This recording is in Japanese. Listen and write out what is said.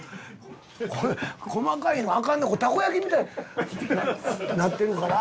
これ細かいのあかんねんたこ焼きみたいになってるから。